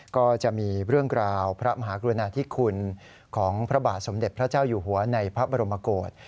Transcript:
ก็จะมีเรื่องกล่าวพระมหากรุณาธิคุณของพระบาทสมเด็จพระเจ้าอยู่หัวในพระบรมโกศ